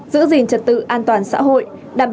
giữ gìn trật tự an toàn xã hội đảm bảo sự bình yên cho nhân dân